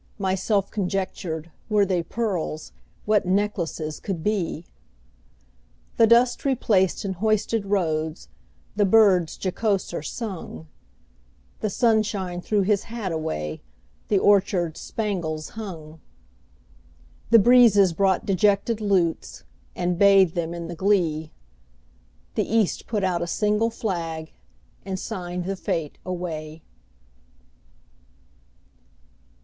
Myself conjectured, Were they pearls, What necklaces could be! The dust replaced in hoisted roads, The birds jocoser sung; The sunshine threw his hat away, The orchards spangles hung. The breezes brought dejected lutes, And bathed them in the glee; The East put out a single flag, And signed the fete away.